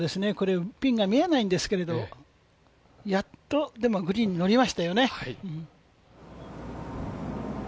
ピンが見えないんですけど、やっとグリーンにのりましたよね。